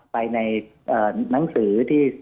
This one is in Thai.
ไปในหนังสือที่